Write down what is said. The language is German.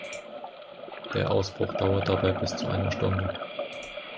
Der Ausbruch dauert dabei bis zu einer Stunde.